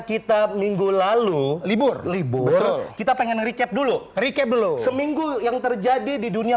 kita minggu lalu libur libur kita pengen recap dulu recap dulu seminggu yang terjadi di dunia